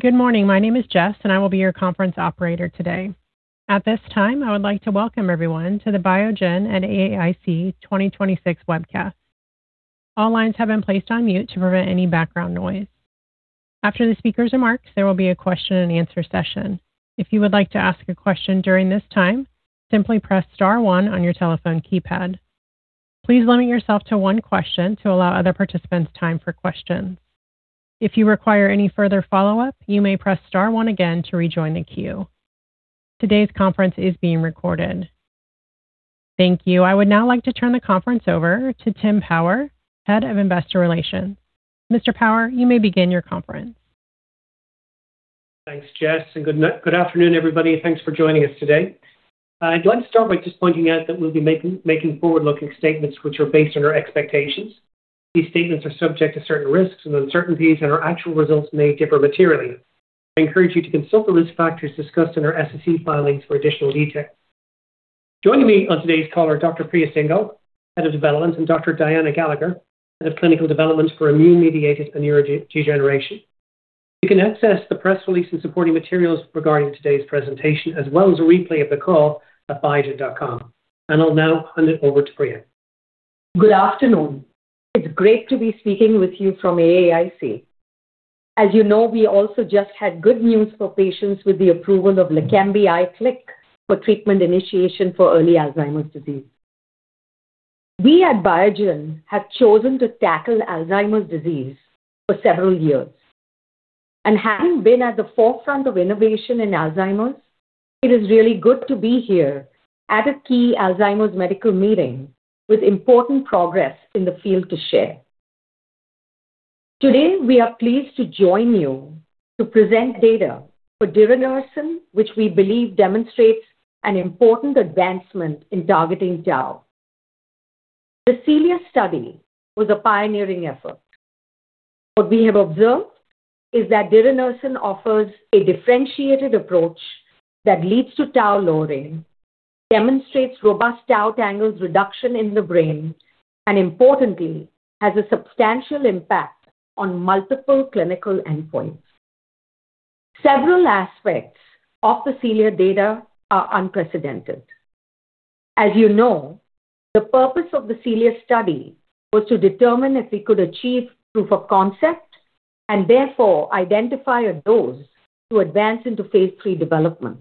Good morning. My name is Jess, and I will be your conference operator today. At this time, I would like to welcome everyone to the Biogen at AAIC 2026 webcast. All lines have been placed on mute to prevent any background noise. After the speakers' remarks, there will be a question-and-answer session. If you would like to ask a question during this time, simply press star one on your telephone keypad. Please limit yourself to one question to allow other participants time for questions. If you require any further follow-up, you may press star one again to rejoin the queue. Today's conference is being recorded. Thank you. I would now like to turn the conference over to Tim Power, Head of Investor Relations. Mr. Power, you may begin your conference. Thanks, Jess, good afternoon, everybody. Thanks for joining us today. I'd like to start by just pointing out that we'll be making forward-looking statements which are based on our expectations. These statements are subject to certain risks and uncertainties, and our actual results may differ materially. I encourage you to consult the risk factors discussed in our SEC filings for additional details. Joining me on today's call are Dr. Priya Singhal, Head of Development, and Dr. Diana Gallagher, Head of Clinical Development for Immune-Mediated Neurodegeneration. You can access the press release and supporting materials regarding today's presentation, as well as a replay of the call at biogen.com. I'll now hand it over to Priya. Good afternoon. It's great to be speaking with you from AAIC. As you know, we also just had good news for patients with the approval of LEQEMBI IQLIK for treatment initiation for early Alzheimer's disease. We at Biogen have chosen to tackle Alzheimer's disease for several years. Having been at the forefront of innovation in Alzheimer's, it is really good to be here at a key Alzheimer's medical meeting with important progress in the field to share. Today, we are pleased to join you to present data for diranersen, which we believe demonstrates an important advancement in targeting tau. The CELIA study was a pioneering effort. What we have observed is that diranersen offers a differentiated approach that leads to tau lowering, demonstrates robust tau tangles reduction in the brain, and importantly, has a substantial impact on multiple clinical endpoints. Several aspects of the CELIA data are unprecedented. As you know, the purpose of the CELIA study was to determine if we could achieve proof of concept, therefore identify a dose to advance into phase III development.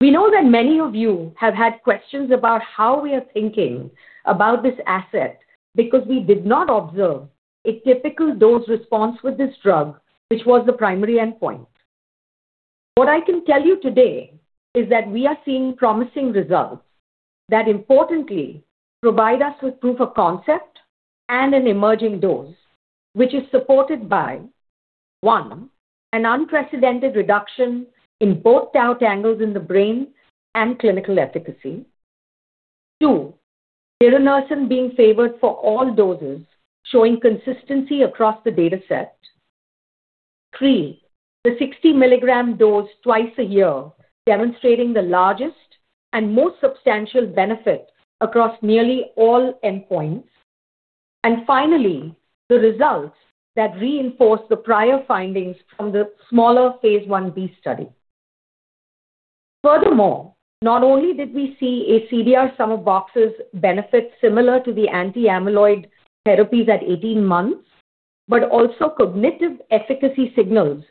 We know that many of you have had questions about how we are thinking about this asset because we did not observe a typical dose response with this drug, which was the primary endpoint. What I can tell you today is that we are seeing promising results that importantly provide us with proof of concept and an emerging dose, which is supported by, One, an unprecedented reduction in both tau tangles in the brain and clinical efficacy. Two, diranersen being favored for all doses, showing consistency across the dataset. Three, the 60 mg dose twice a year demonstrating the largest and most substantial benefit across nearly all endpoints. Finally, the results that reinforce the prior findings from the smaller phase I-B study. Furthermore, not only did we see a CDR Sum of Boxes benefit similar to the anti-amyloid therapies at 18 months, but also cognitive efficacy signals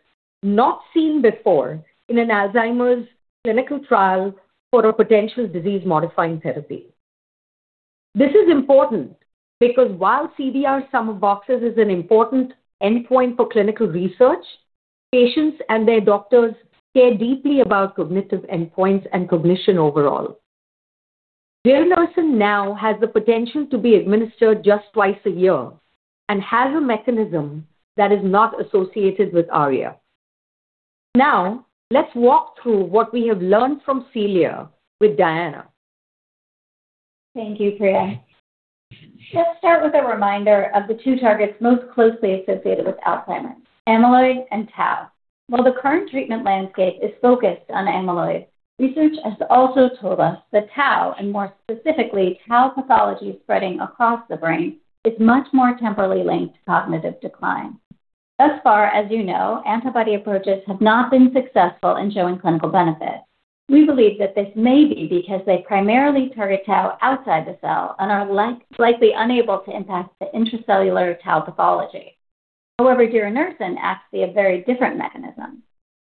not seen before in an Alzheimer's clinical trial for a potential disease-modifying therapy. This is important because while CDR Sum of Boxes is an important endpoint for clinical research, patients and their doctors care deeply about cognitive endpoints and cognition overall. Diranersen now has the potential to be administered just twice a year and has a mechanism that is not associated with ARIA. Let's walk through what we have learned from CELIA with Diana. Thank you, Priya. Let's start with a reminder of the two targets most closely associated with Alzheimer's, amyloid and tau. While the current treatment landscape is focused on amyloid, research has also told us that tau, and more specifically, tau pathology spreading across the brain, is much more temporally linked to cognitive decline. Thus far, as you know, antibody approaches have not been successful in showing clinical benefit. We believe that this may be because they primarily target tau outside the cell and are likely unable to impact the intracellular tau pathology. However, diranersen acts via a very different mechanism.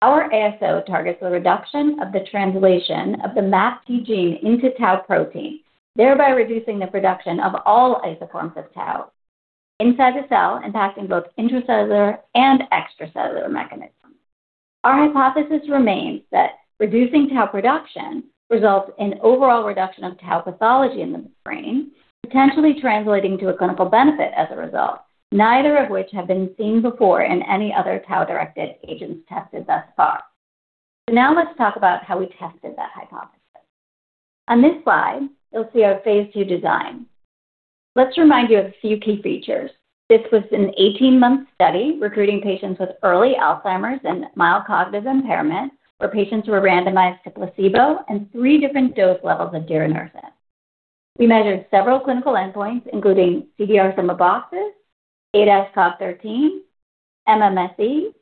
Our ASO targets the reduction of the translation of the MAPT gene into tau protein, thereby reducing the production of all isoforms of tau inside the cell, impacting both intracellular and extracellular mechanisms. Our hypothesis remains that reducing tau production results in overall reduction of tau pathology in the brain, potentially translating to a clinical benefit as a result, neither of which have been seen before in any other tau-directed agents tested thus far. Let's talk about how we tested that hypothesis. On this slide, you'll see our phase II design. Let's remind you of a few key features. This was an 18-month study recruiting patients with early Alzheimer's and mild cognitive impairment, where patients were randomized to placebo and three different dose levels of diranersen. We measured several clinical endpoints, including CDR Sum of Boxes, ADAS-Cog 13, MMSE,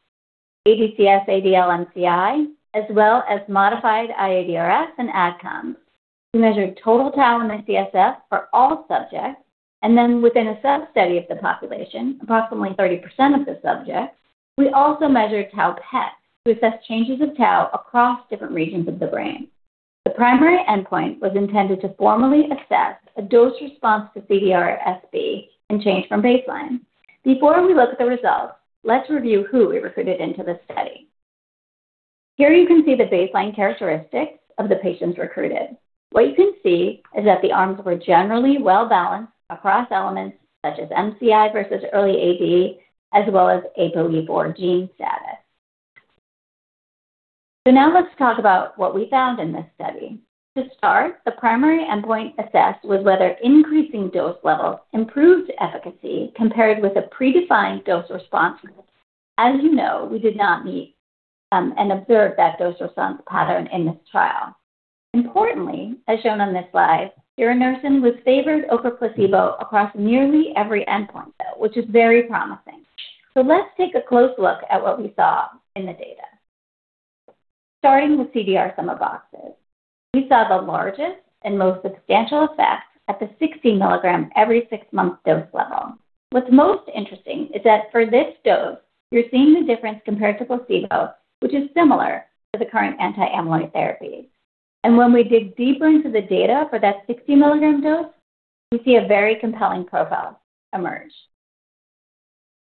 ADCS-ADL-MCI, as well as modified iADRS and ADCOMS. We measured total tau in the CSF for all subjects, and then within a sub-study of the population, approximately 30% of the subjects, we also measured tau PET to assess changes of tau across different regions of the brain. The primary endpoint was intended to formally assess a dose response to CDR-SB and change from baseline. Before we look at the results, let's review who we recruited into the study. Here you can see the baseline characteristics of the patients recruited. What you can see is that the arms were generally well-balanced across elements such as MCI versus early AD, as well as APOE4 gene status. Let's talk about what we found in this study. To start, the primary endpoint assessed was whether increasing dose levels improved efficacy compared with a predefined dose-response rate. As you know, we did not meet and observe that dose-response pattern in this trial. Importantly, as shown on this slide, diranersen was favored over placebo across nearly every endpoint though, which is very promising. Let's take a close look at what we saw in the data. Starting with CDR Sum of Boxes, we saw the largest and most substantial effect at the 60 mg every six month dose level. What's most interesting is that for this dose, you're seeing the difference compared to placebo, which is similar to the current anti-amyloid therapy. When we dig deeper into the data for that 60 mg dose, we see a very compelling profile emerge.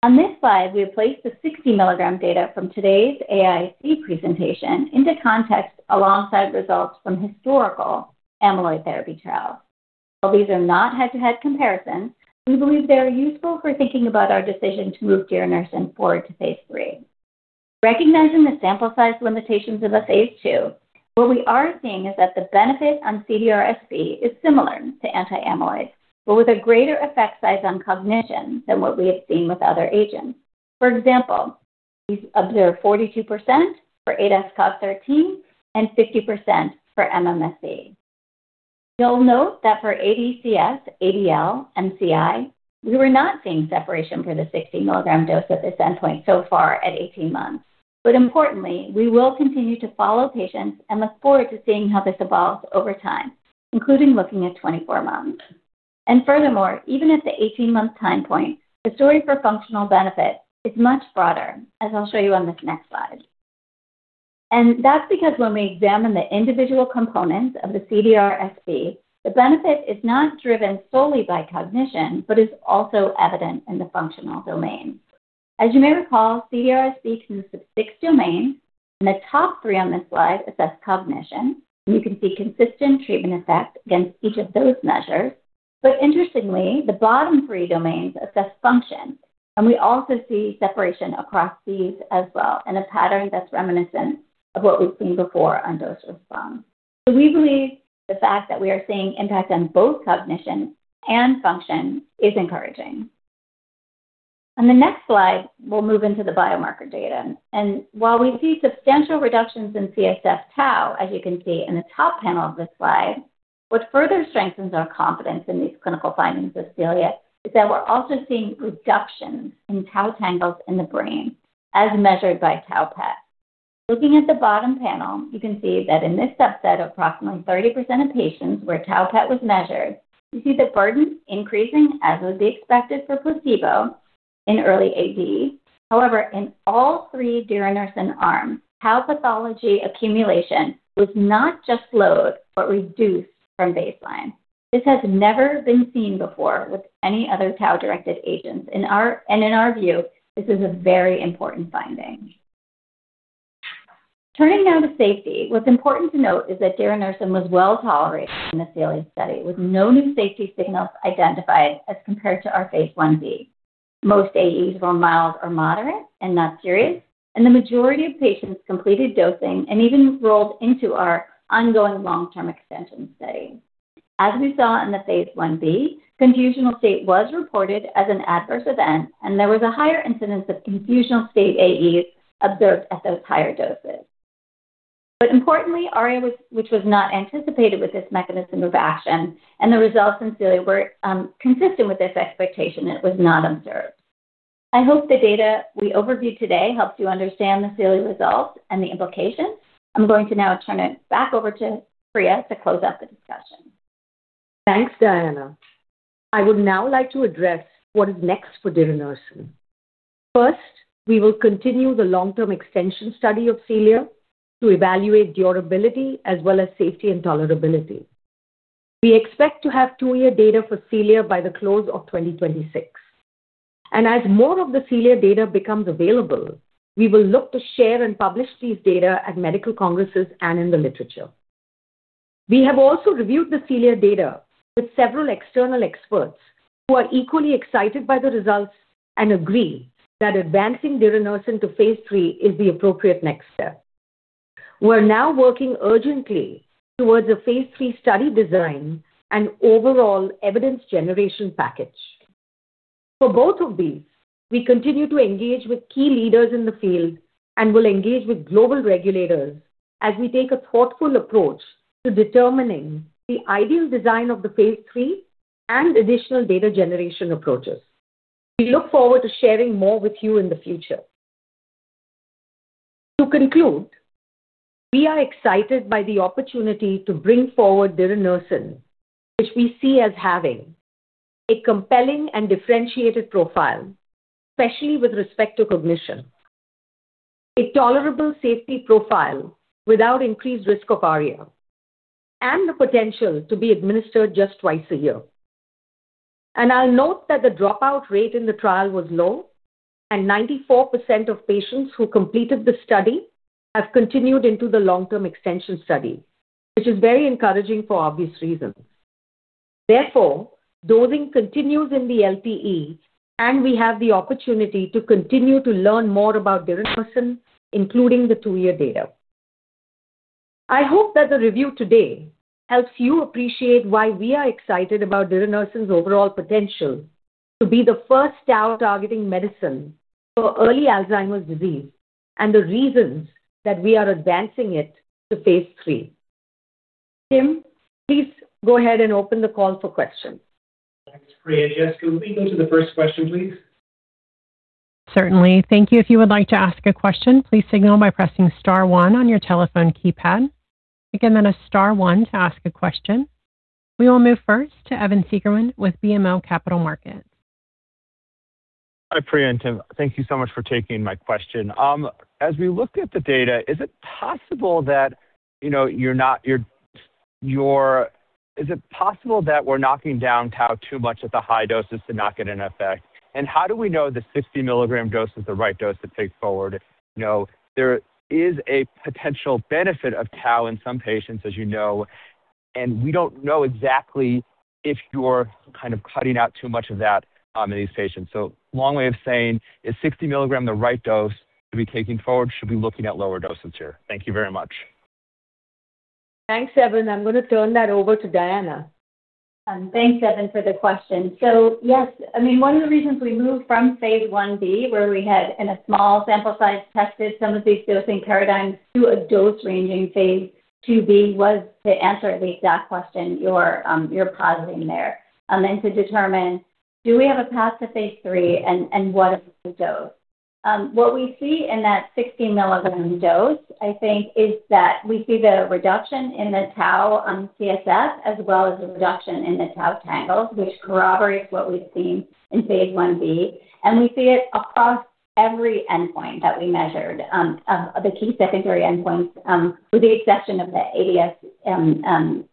On this slide, we have placed the 60 mg data from today's AAIC presentation into context alongside results from historical amyloid therapy trials. These are not head-to-head comparisons, we believe they are useful for thinking about our decision to move diranersen forward to phase III. Recognizing the sample size limitations of a phase II, what we are seeing is that the benefit on CDR-SB is similar to anti-amyloid, but with a greater effect size on cognition than what we have seen with other agents. For example, we observe 42% for ADAS-Cog 13 and 50% for MMSE. You'll note that for ADCS-ADL-MCI, we were not seeing separation for the 60 mg dose at this endpoint so far at 18 months. Importantly, we will continue to follow patients and look forward to seeing how this evolves over time, including looking at 24 months. Furthermore, even at the 18-month time point, the story for functional benefit is much broader, as I'll show you on this next slide. That's because when we examine the individual components of the CDR-SB, the benefit is not driven solely by cognition but is also evident in the functional domain. As you may recall, CDR-SB consists of six domains, and the top three on this slide assess cognition, and you can see consistent treatment effect against each of those measures. Interestingly, the bottom three domains assess function, and we also see separation across these as well and a pattern that's reminiscent of what we've seen before on dose response. We believe the fact that we are seeing impact on both cognition and function is encouraging. On the next slide, we'll move into the biomarker data. While we see substantial reductions in CSF tau, as you can see in the top panel of this slide, what further strengthens our confidence in these clinical findings with CELIA is that we're also seeing reductions in tau tangles in the brain as measured by tau PET. Looking at the bottom panel, you can see that in this subset of approximately 30% of patients where tau PET was measured, you see the burden increasing as would be expected for placebo in early AD. However, in all three diranersen arms, tau pathology accumulation was not just slowed but reduced from baseline. This has never been seen before with any other tau-directed agents, and in our view, this is a very important finding. Turning now to safety, what's important to note is that diranersen was well tolerated in the CELIA, with no new safety signals identified as compared to our phase I-B. Most AEs were mild or moderate and not serious, and the majority of patients completed dosing and even rolled into our ongoing long-term extension study. As we saw in the phase I-B, confusional state was reported as an adverse event, and there was a higher incidence of confusional state AEs observed at those higher doses. Importantly, ARIA, which was not anticipated with this mechanism of action, and the results in CELIA were consistent with this expectation. It was not observed. I hope the data we overviewed today helps you understand the CELIA results and the implications. I'm going to now turn it back over to Priya to close out the discussion. Thanks, Diana. I would now like to address what is next for diranersen. First, we will continue the long-term extension study of CELIA to evaluate durability as well as safety and tolerability. We expect to have two-year data for CELIA by the close of 2026. As more of the CELIA data becomes available, we will look to share and publish these data at medical congresses and in the literature. We have also reviewed the CELIA data with several external experts who are equally excited by the results and agree that advancing diranersen to phase III is the appropriate next step. We're now working urgently towards a phase III study design and overall evidence generation package. For both of these, we continue to engage with key leaders in the field and will engage with global regulators as we take a thoughtful approach to determining the ideal design of the phase III and additional data generation approaches. We look forward to sharing more with you in the future. To conclude, we are excited by the opportunity to bring forward diranersen, which we see as having a compelling and differentiated profile, especially with respect to cognition, a tolerable safety profile without increased risk of ARIA, and the potential to be administered just twice a year. I'll note that the dropout rate in the trial was low, and 94% of patients who completed the study have continued into the long-term extension study, which is very encouraging for obvious reasons. Therefore, dosing continues in the LTE, and we have the opportunity to continue to learn more about diranersen, including the two-year data. I hope that the review today helps you appreciate why we are excited about diranersen's overall potential to be the first tau-targeting medicine for early Alzheimer's disease and the reasons that we are advancing it to phase III. Tim, please go ahead and open the call for questions. Thanks, Priya. Jess, can we go to the first question, please? Certainly. Thank you. If you would like to ask a question, please signal by pressing star one on your telephone keypad. Again, that is star one to ask a question. We will move first to Evan Seigerman with BMO Capital Markets. Hi, Priya and team. Thank you so much for taking my question. As we look at the data is it possible that we're knocking down tau too much of the high doses to knock it in effect. How do we know the 60 mg dose is the right dose to take forward? There is a potential benefit of tau in some patients, as you know, and we don't know exactly if you're kind of cutting out too much of that in these patients. Long way of saying, is 60 mg the right dose to be taking forward? Should we be looking at lower doses here? Thank you very much. Thanks, Evan. I'm going to turn that over to Diana. Thanks, Evan, for the question. Yes. One of the reasons we moved from phase I-B, where we had in a small sample size, tested some of these dosing paradigms to a dose-ranging phase II-B, was to answer the exact question you're positing there to determine do we have a path to phase III, and what is the dose? What we see in that 60 mg dose, I think, is that we see the reduction in the tau on CSF as well as the reduction in the tau tangles, which corroborates what we've seen in phase I-B, and we see it across every endpoint that we measured, the key secondary endpoints, with the exception of the ADAS-Cog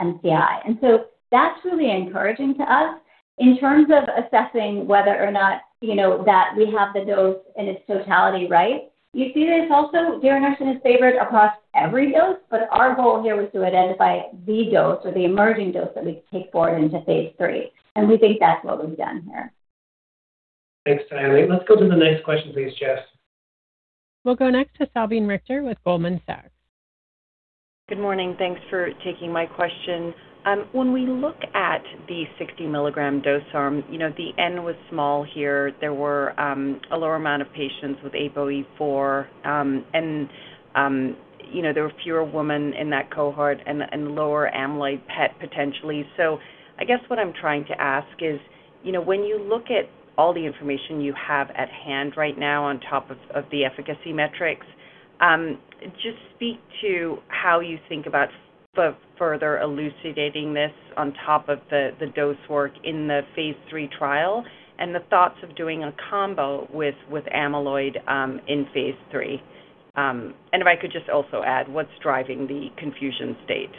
13. That's really encouraging to us. In terms of assessing whether or not that we have the dose in its totality right, you see this also, diranersen is favored across every dose. Our goal here was to identify the dose or the emerging dose that we could take forward into phase III, and we think that's what we've done here. Thanks, Diana. Let's go to the next question please, Jess. We'll go next to Salveen Richter with Goldman Sachs. Good morning. Thanks for taking my question. When we look at the 60 mg dose arm, the n was small here. There were a lower amount of patients with APOE4, and there were fewer women in that cohort and lower amyloid PET potentially. I guess what I'm trying to ask is, when you look at all the information you have at hand right now on top of the efficacy metrics, just speak to how you think about further elucidating this on top of the dose work in the phase III trial and the thoughts of doing a combo with amyloid in phase III. If I could just also add, what's driving the confusion state?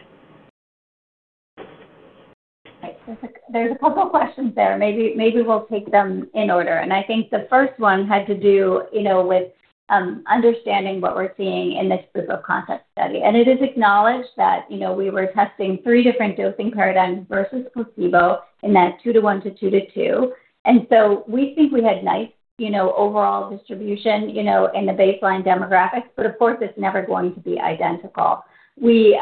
There's a couple questions there. Maybe we'll take them in order, and I think the first one had to do with understanding what we're seeing in this proof of concept study. It is acknowledged that we were testing three different dosing paradigms versus placebo in that 2:1:2:2. We think we had nice overall distribution in the baseline demographics. Of course, it's never going to be identical. We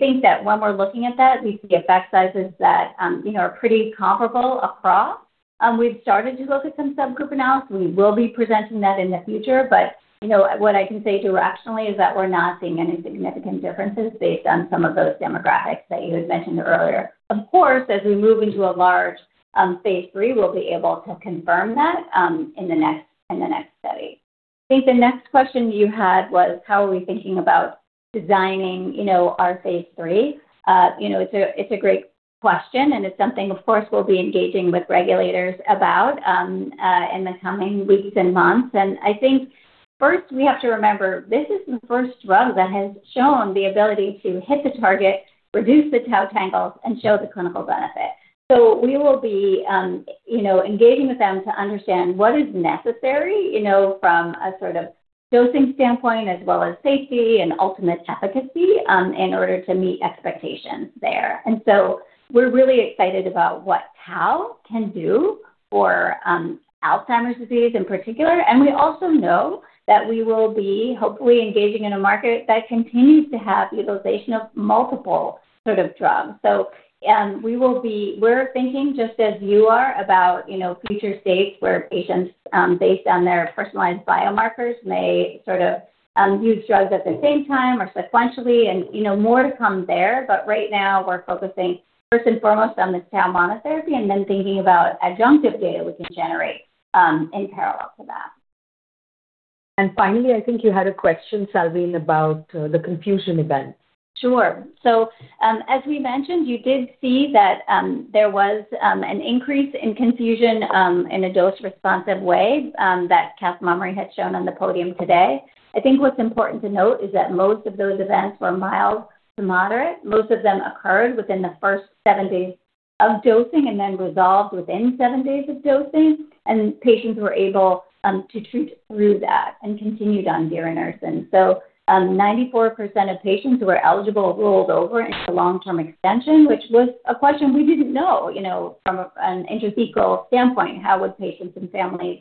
think that when we're looking at that, we see effect sizes that are pretty comparable across. We've started to look at some sub-group analysis. We will be presenting that in the future. What I can say directionally is that we're not seeing any significant differences based on some of those demographics that you had mentioned earlier. Of course, as we move into a large phase III, we'll be able to confirm that in the next study. I think the next question you had was how are we thinking about designing our phase III? It's a great question, and it's something, of course, we'll be engaging with regulators about in the coming weeks and months. I think first we have to remember this is the first drug that has shown the ability to hit the target, reduce the tau tangles, and show the clinical benefit. We will be engaging with them to understand what is necessary from a sort of dosing standpoint as well as safety and ultimate efficacy in order to meet expectations there. We're really excited about what tau can do for Alzheimer's disease in particular. We also know that we will be hopefully engaging in a market that continues to have utilization of multiple sort of drugs. We're thinking just as you are about future states where patients, based on their personalized biomarkers, may sort of use drugs at the same time or sequentially and more to come there. Right now, we're focusing first and foremost on this tau monotherapy and then thinking about adjunctive data we can generate in parallel to that. I think you had a question, Salveen, about the confusion events. Sure. As we mentioned, you did see that there was an increase in confusion in a dose-responsive way that Cath Mummery had shown on the podium today. I think what's important to note is that most of those events were mild to moderate. Most of them occurred within the first seven days of dosing and then resolved within seven days of dosing, and patients were able to treat through that and continued on diranersen. 94% of patients who were eligible rolled over into long-term extension, which was a question we didn't know from an intrathecal standpoint, how would patients and families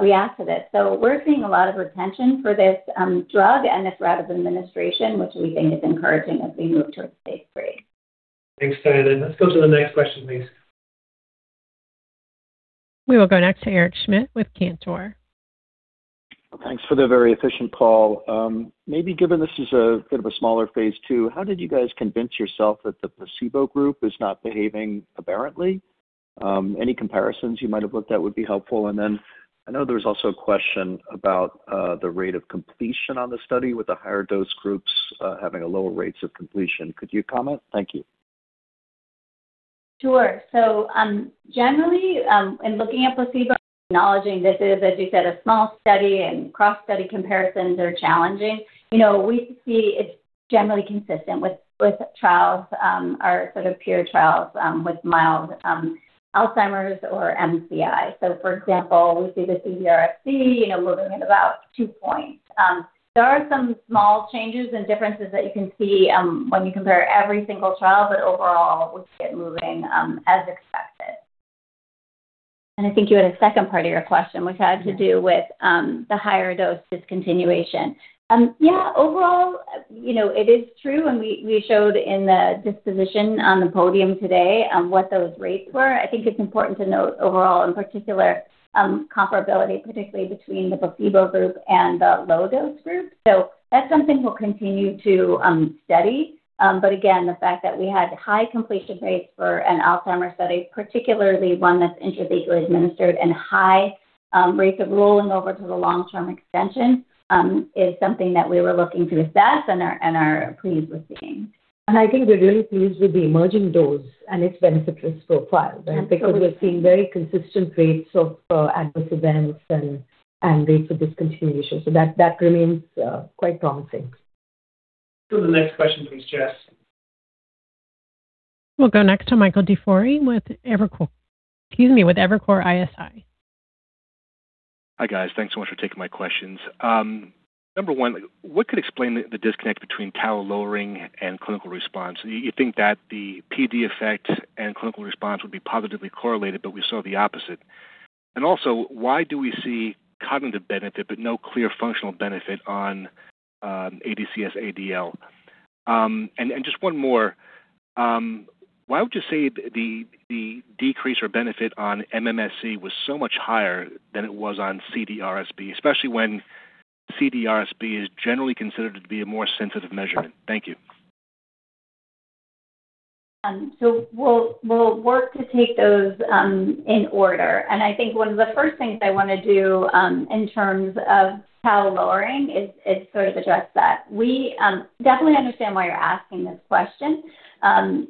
react to this? We're seeing a lot of retention for this drug and this route of administration, which we think is encouraging as we move towards phase III. Thanks, Diana. Let's go to the next question, please. We will go next to Eric Schmidt with Cantor. Thanks for the very efficient call. Maybe given this is a bit of a smaller phase II, how did you guys convince yourself that the placebo group is not behaving aberrantly? Any comparisons you might have looked at would be helpful. I know there was also a question about the rate of completion on the study with the higher dose groups having a lower rates of completion. Could you comment? Thank you. Sure. Generally, in looking at placebo, acknowledging this is, as you said, a small study and cross-study comparisons are challenging. We see it's generally consistent with trials, our sort of peer trials, with mild Alzheimer's or MCI. For example, we see the CDR-SB moving at about two points. There are some small changes and differences that you can see when you compare every single trial, but overall, we see it moving as expected. I think you had a second part of your question, which had to do with the higher dose discontinuation. Overall, it is true, and we showed in the disposition on the podium today what those rates were. I think it's important to note overall, in particular, comparability, particularly between the placebo group and the low-dose group. That's something we'll continue to study. Again, the fact that we had high completion rates for an Alzheimer's study, particularly one that's intrathecally administered and high rates of rolling over to the long-term extension, is something that we were looking to assess and are pleased with seeing. I think we're really pleased with the emerging dose and its benefit-risk profile. Absolutely. We're seeing very consistent rates of adverse events and rates of discontinuation. That remains quite promising. Go to the next question, please, Jess. We'll go next to Michael DiFiore with Evercore ISI. Hi, guys. Thanks so much for taking my questions. Number one, what could explain the disconnect between tau lowering and clinical response? You think that the PD effect and clinical response would be positively correlated, but we saw the opposite. Also, why do we see cognitive benefit but no clear functional benefit on ADCS-ADL? Just one more. Why would you say the decrease or benefit on MMSE was so much higher than it was on CDR-SB, especially when CDR-SB is generally considered to be a more sensitive measurement? Thank you. We'll work to take those in order. I think one of the first things I want to do in terms of tau lowering is sort of address that. We definitely understand why you're asking this question.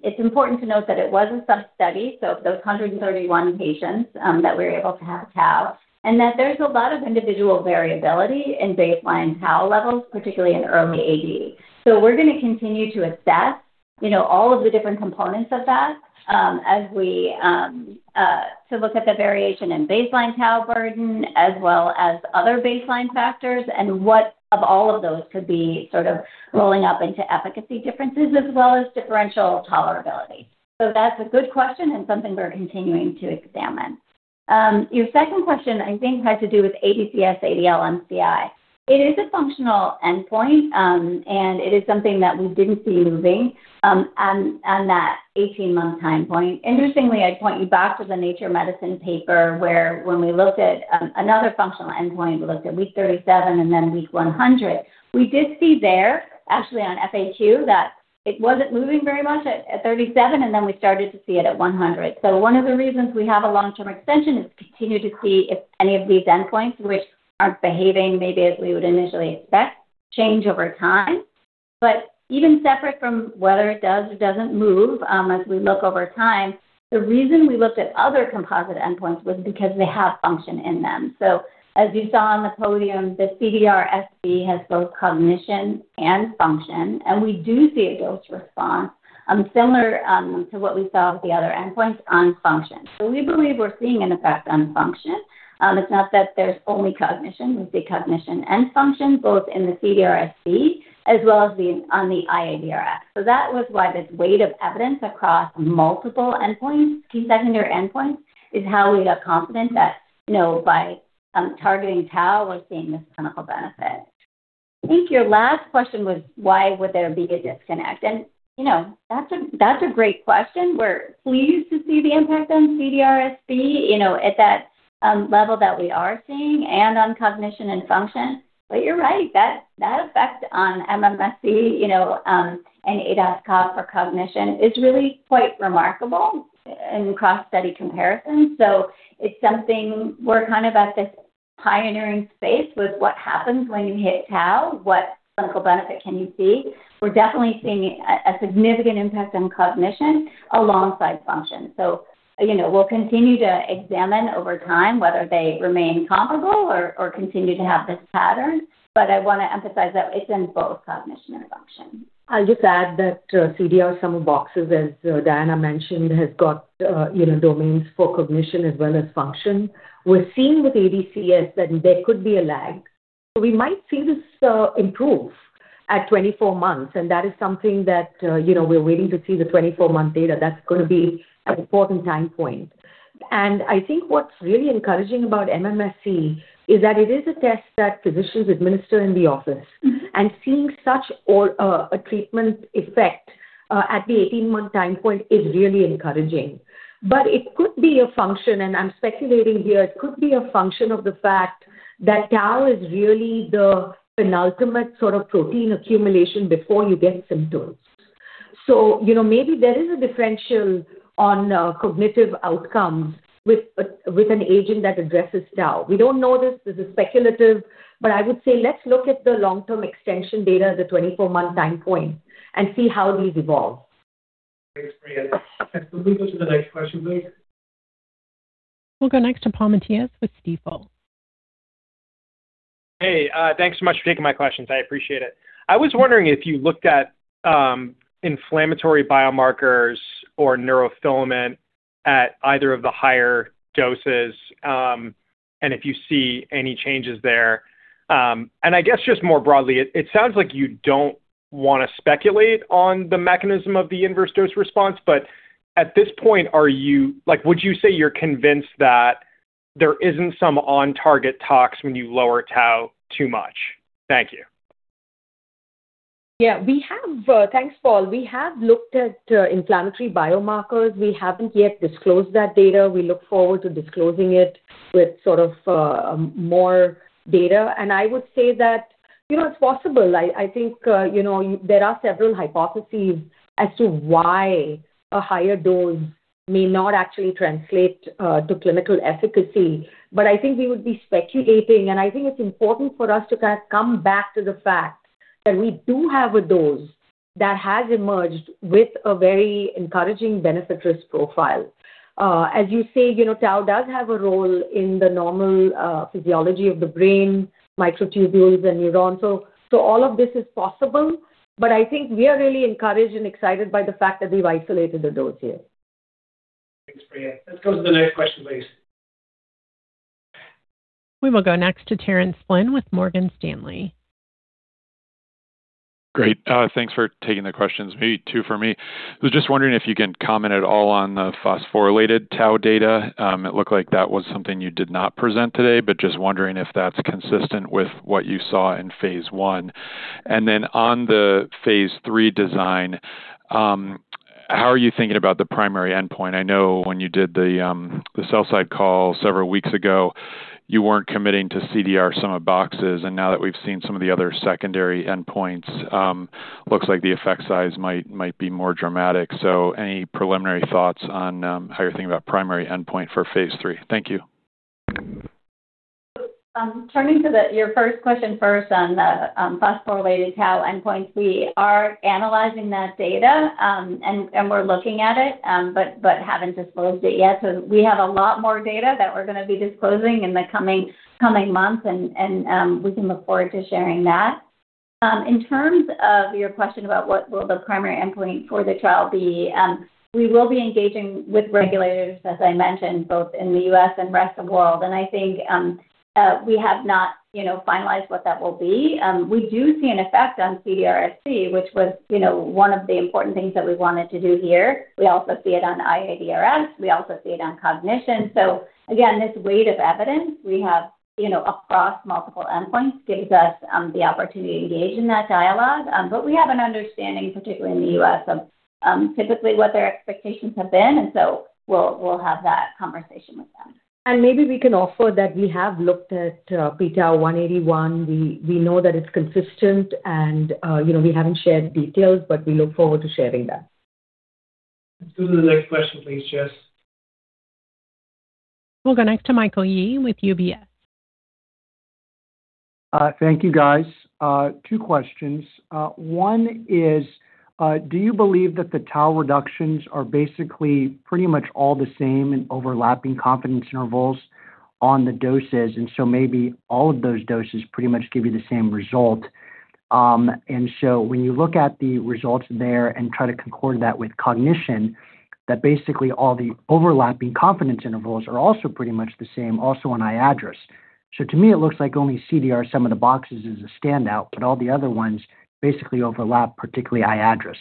It's important to note that it was a sub-study, so those 131 patients that we were able to have tau, and that there's a lot of individual variability in baseline tau levels, particularly in early AD. We're going to continue to assess all of the different components of that to look at the variation in baseline tau burden as well as other baseline factors and what of all of those could be sort of rolling up into efficacy differences as well as differential tolerability. That's a good question and something we're continuing to examine. Your second question, I think, has to do with ADCS-ADL-MCI. It is a functional endpoint, and it is something that we didn't see moving on that 18-month time point. Interestingly, I'd point you back to the Nature Medicine paper, where when we looked at another functional endpoint, we looked at week 37 and then week 100. We did see there, actually on FA2, that it wasn't moving very much at 37, and then we started to see it at 100. One of the reasons we have a long-term extension is to continue to see if any of these endpoints, which aren't behaving maybe as we would initially expect, change over time. Even separate from whether it does or doesn't move as we look over time, the reason we looked at other composite endpoints was because they have function in them. As you saw on the podium, the CDR-SB has both cognition and function, and we do see a dose response similar to what we saw with the other endpoints on function. We believe we're seeing an effect on function. It's not that there's only cognition. We see cognition and function both in the CDR-SB as well as on the iADRS. That was why this weight of evidence across multiple endpoints, key secondary endpoints, is how we got confident that by targeting tau, we're seeing this clinical benefit. I think your last question was why would there be a disconnect? That's a great question. We're pleased to see the impact on CDR-SB at that level that we are seeing and on cognition and function. You're right. That effect on MMSE, and ADAS-Cog for cognition is really quite remarkable in cross-study comparisons. It's something we're kind of at this pioneering space with what happens when you hit tau, what clinical benefit can you see? We're definitely seeing a significant impact on cognition alongside function. We'll continue to examine over time whether they remain comparable or continue to have this pattern. I want to emphasize that it's in both cognition and function. I'll just add that CDR Sum of Boxes, as Diana mentioned, has got domains for cognition as well as function. We're seeing with ADCS that there could be a lag. We might see this improve at 24 months, and that is something that we're waiting to see the 24-month data. That's going to be an important time point. I think what's really encouraging about MMSE is that it is a test that physicians administer in the office. Seeing such a treatment effect, at the 18-month time point is really encouraging. It could be a function, and I'm speculating here, it could be a function of the fact that tau is really the penultimate sort of protein accumulation before you get symptoms. Maybe there is a differential on cognitive outcomes with an agent that addresses tau. We don't know this. This is speculative, but I would say let's look at the long-term extension data at the 24-month time point and see how these evolve. Thanks, Priya. Can we move to the next question, please? We'll go next to Paul Matteis with Stifel. Hey, thanks so much for taking my questions. I appreciate it. I was wondering if you looked at inflammatory biomarkers or neurofilament at either of the higher doses, and if you see any changes there. I guess just more broadly, it sounds like you don't want to speculate on the mechanism of the inverse dose response. At this point, would you say you're convinced that there isn't some on-target tox when you lower tau too much? Thank you. Yeah. Thanks, Paul. We have looked at inflammatory biomarkers. We haven't yet disclosed that data. We look forward to disclosing it with sort of more data. I would say that it's possible. I think there are several hypotheses as to why a higher dose may not actually translate to clinical efficacy. I think we would be speculating, and I think it's important for us to kind of come back to the fact that we do have a dose that has emerged with a very encouraging benefit risk profile. As you say, tau does have a role in the normal physiology of the brain, microtubules, and neurons. All of this is possible, but I think we are really encouraged and excited by the fact that we've isolated the dose here. Thanks, Priya. Let's go to the next question, please. We will go next to Terence Flynn with Morgan Stanley. Great. Thanks for taking the questions. Maybe two for me. I was just wondering if you can comment at all on the phosphorylated tau data. It looked like that was something you did not present today, but just wondering if that's consistent with what you saw in phase I. On the phase III design, how are you thinking about the primary endpoint? I know when you did the sell-side call several weeks ago, you weren't committing to CDR Sum of Boxes, and now that we've seen some of the other secondary endpoints, looks like the effect size might be more dramatic. Any preliminary thoughts on how you're thinking about primary endpoint for phase III? Thank you. Turning to your first question first on the phosphorylated tau endpoint, we are analyzing that data, and we're looking at it, but haven't disclosed it yet. We have a lot more data that we're going to be disclosing in the coming months, and we can look forward to sharing that. In terms of your question about what will the primary endpoint for the trial be, we will be engaging with regulators, as I mentioned, both in the U.S. and rest of world. I think we have not finalized what that will be. We do see an effect on CDR-SB, which was one of the important things that we wanted to do here. We also see it on iADRS. We also see it on cognition. Again, this weight of evidence we have across multiple endpoints gives us the opportunity to engage in that dialogue. We have an understanding, particularly in the U.S., of typically what their expectations have been. We'll have that conversation with them. Maybe we can offer that we have looked at p-tau181. We know that it's consistent and we haven't shared details, but we look forward to sharing that. Let's go to the next question please, Jess. We'll go next to Michael Yee with UBS. Thank you, guys. Two questions. One is, do you believe that the tau reductions are basically pretty much all the same in overlapping confidence intervals on the doses, maybe all of those doses pretty much give you the same result? When you look at the results there and try to concord that with cognition, that basically all the overlapping confidence intervals are also pretty much the same also on iADRS. To me it looks like only CDR Sum of Boxes is a standout, but all the other ones basically overlap, particularly iADRS.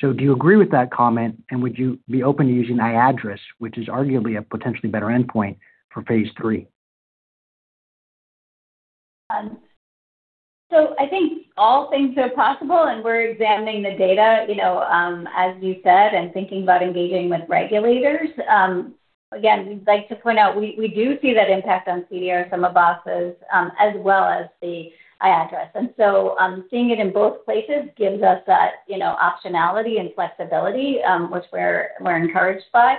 Do you agree with that comment, and would you be open to using iADRS, which is arguably a potentially better endpoint for phase III? I think all things are possible, and we're examining the data, as you said, and thinking about engaging with regulators. Again, we'd like to point out we do see that impact on CDR Sum of Boxes, as well as the iADRS. Seeing it in both places gives us that optionality and flexibility, which we're encouraged by.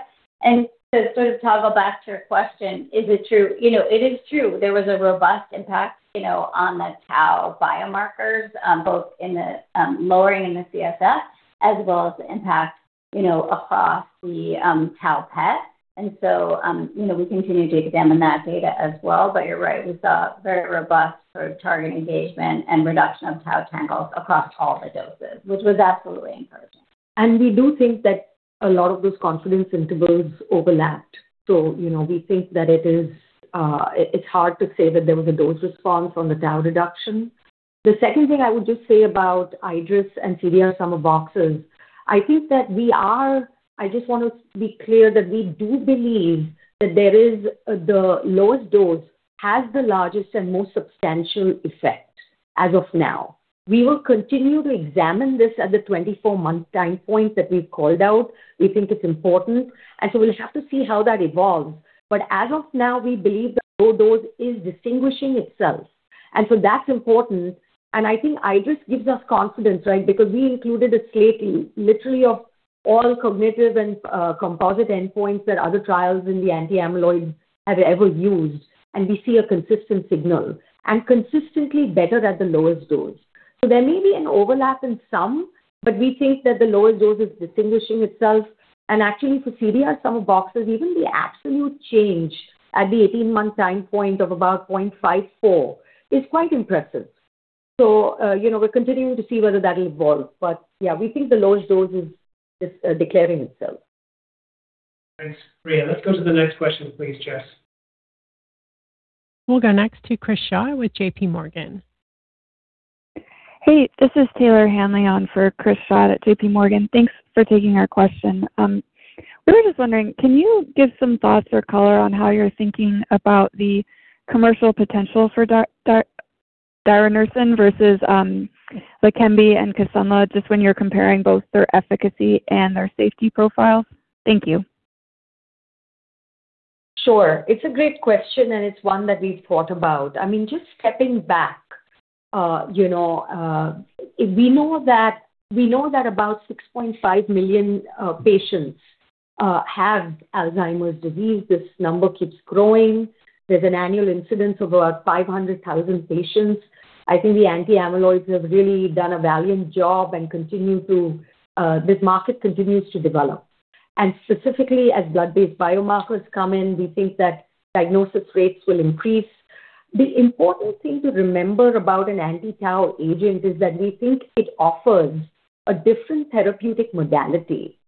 To sort of toggle back to your question, is it true? It is true, there was a robust impact on the tau biomarkers, both in the lowering in the CSF as well as the impact across the tau PET. We continue to examine that data as well. You're right, we saw very robust sort of target engagement and reduction of tau tangles across all the doses, which was absolutely encouraging. We do think that a lot of those confidence intervals overlapped. We think that it's hard to say that there was a dose response on the tau reduction. The second thing I would just say about iADRS and CDR Sum of Boxes, I just want to be clear that we do believe that the lowest dose has the largest and most substantial effect as of now. We will continue to examine this at the 24-month time point that we've called out. We think it's important, we'll have to see how that evolves. As of now, we believe the low dose is distinguishing itself. That's important, and I think iADRS gives us confidence, right? Because we included a slate literally of all cognitive and composite endpoints that other trials in the anti-amyloid have ever used, and we see a consistent signal. Consistently better at the lowest dose. There may be an overlap in some, but we think that the lowest dose is distinguishing itself. Actually for CDR Sum of Boxes, even the absolute change at the 18-month time point of about 0.54 is quite impressive. We're continuing to see whether that'll evolve. Yeah, we think the lowest dose is declaring itself. Thanks, Priya. Let's go to the next question, please, Jess. We'll go next to Chris Shaw with J.P. Morgan. Hey, this is Taylor Hanley for Chris Shaw at J.P. Morgan. Thanks for taking our question. We were just wondering, can you give some thoughts or color on how you're thinking about the commercial potential for diranersen versus LEQEMBI and Kisunla, just when you're comparing both their efficacy and their safety profiles? Thank you. Sure. It's a great question, and it's one that we've thought about. Just stepping back, we know that about 6.5 million patients have Alzheimer's disease. This number keeps growing. There's an annual incidence of about 500,000 patients. I think the anti-amyloids have really done a valiant job and this market continues to develop. Specifically, as blood-based biomarkers come in, we think that diagnosis rates will increase. The important thing to remember about an anti-tau agent is that we think it offers a different therapeutic modality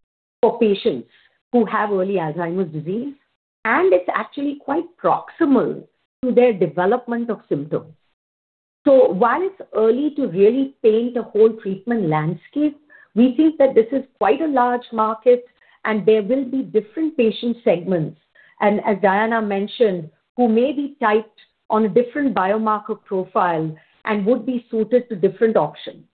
for patients who have early Alzheimer's disease, and it's actually quite proximal to their development of symptoms. While it's early to really paint a whole treatment landscape, we think that this is quite a large market and there will be different patient segments. As Diana mentioned, who may be typed on a different biomarker profile and would be suited to different options.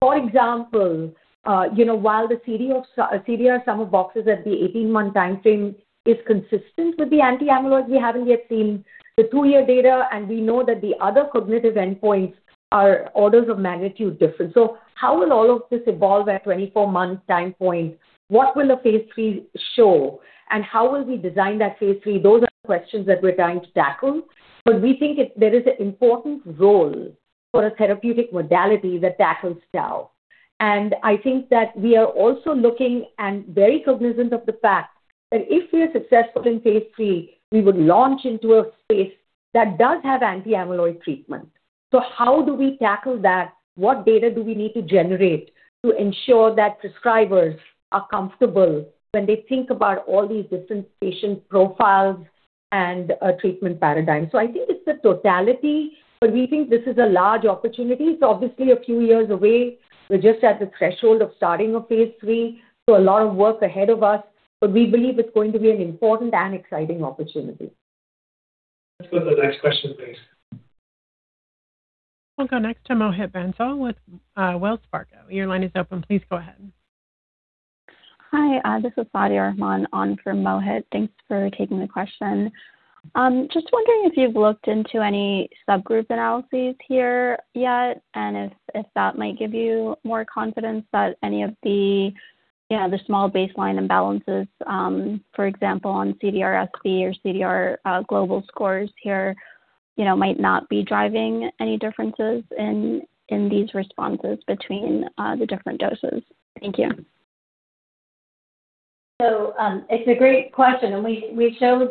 For example, while the CDR Sum of Boxes at the 18-month timeframe is consistent with the anti-amyloid, we haven't yet seen the two-year data, and we know that the other cognitive endpoints are orders of magnitude different. How will all of this evolve at 24-month time point? What will a phase III show, and how will we design that phase III? Those are questions that we're trying to tackle, but we think there is an important role for a therapeutic modality that tackles tau. I think that we are also looking and very cognizant of the fact that if we are successful in phase III, we would launch into a space that does have anti-amyloid treatment. How do we tackle that? What data do we need to generate to ensure that prescribers are comfortable when they think about all these different patient profiles and a treatment paradigm? I think it's the totality, but we think this is a large opportunity. It's obviously a few years away. We're just at the threshold of starting a phase III, so a lot of work ahead of us, but we believe it's going to be an important and exciting opportunity. Let's go to the next question, please. I'll go next to Mohit Bansal with Wells Fargo. Your line is open. Please go ahead. Hi, this is Sadia Rahman on for Mohit. Thanks for taking the question. Just wondering if you've looked into any subgroup analyses here yet. If that might give you more confidence that any of the small baseline imbalances, for example, on CDR-SB or CDR global scores here might not be driving any differences in these responses between the different doses. Thank you. It's a great question. We showed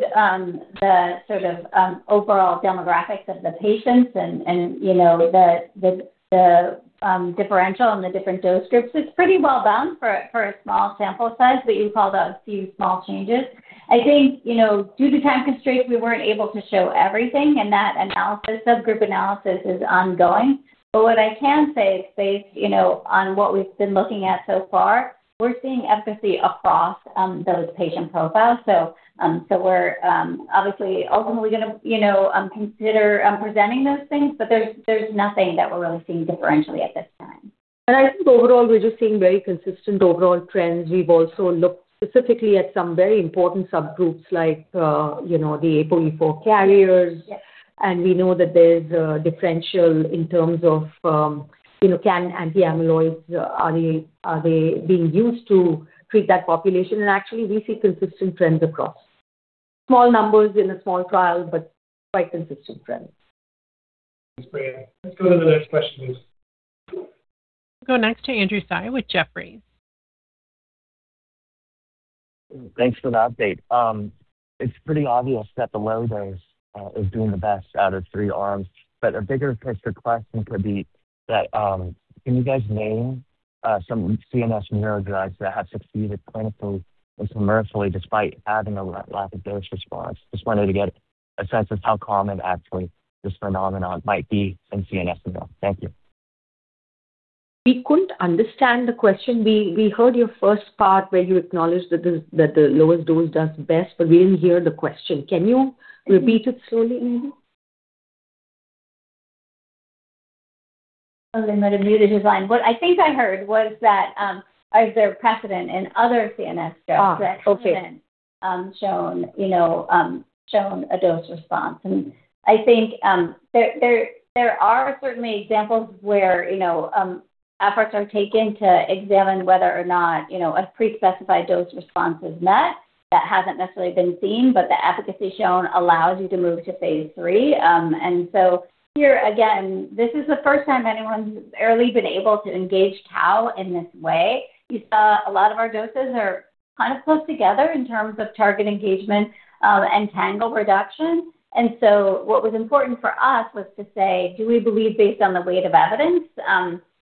the sort of overall demographics of the patients and the differential on the different dose groups. It's pretty well bound for a small sample size. You called out a few small changes. I think due to time constraints, we weren't able to show everything in that analysis. Subgroup analysis is ongoing. What I can say is based on what we've been looking at so far, we're seeing efficacy across those patient profiles. We're obviously ultimately going to consider presenting those things, but there's nothing that we're really seeing differentially at this time. I think overall, we're just seeing very consistent overall trends. We've also looked specifically at some very important subgroups like the APOE4 carriers. Yes. We know that there's a differential in terms of can anti-amyloids, are they being used to treat that population? Actually, we see consistent trends across. Small numbers in a small trial, but quite consistent trends. Thanks, Priya. Let's go to the next question, please. We'll go next to Andrew Tsai with Jefferies. Thanks for the update. It's pretty obvious that the low dose is doing the best out of three arms. A bigger picture question could be that, can you guys name some CNS neuro drugs that have succeeded clinically and commercially despite having a lack of dose response? Just wanted to get a sense of how common actually this phenomenon might be in CNS neuro. Thank you. We couldn't understand the question. We heard your first part where you acknowledged that the lowest dose does the best, but we didn't hear the question. Can you repeat it slowly maybe? They might have muted his line. What I think I heard was that, is there precedent in other CNS drugs? Okay. that haven't shown a dose response. I think there are certainly examples where efforts are taken to examine whether or not a pre-specified dose response is met. That hasn't necessarily been seen, but the efficacy shown allows you to move to phase III. Here again, this is the first time anyone's really been able to engage tau in this way. You saw a lot of our doses are kind of close together in terms of target engagement and tangle reduction. What was important for us was to say, do we believe based on the weight of evidence,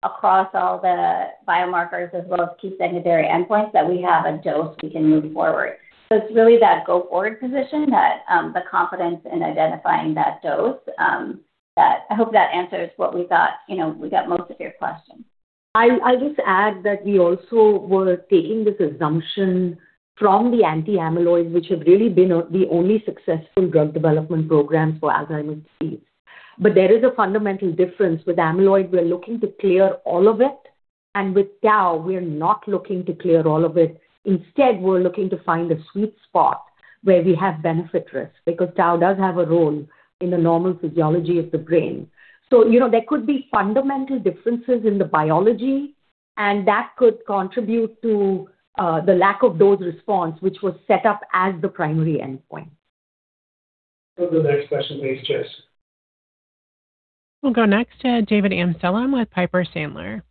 across all the biomarkers as well as key secondary endpoints, that we have a dose we can move forward? It's really that go forward position, the confidence in identifying that dose. I hope that answers what we got most of your question. I'll just add that we also were taking this assumption from the anti-amyloid, which had really been the only successful drug development program for Alzheimer's disease. There is a fundamental difference. With amyloid, we're looking to clear all of it. With tau, we're not looking to clear all of it. Instead, we're looking to find a sweet spot where we have benefit risk, because tau does have a role in the normal physiology of the brain. There could be fundamental differences in the biology, and that could contribute to the lack of dose response, which was set up as the primary endpoint. Go to the next question please, Jess. We'll go next to David Amsellem with Piper Sandler.